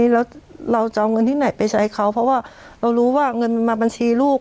แล้วเราจะเอาเงินที่ไหนไปใช้เขาเพราะว่าเรารู้ว่าเงินมาบัญชีลูก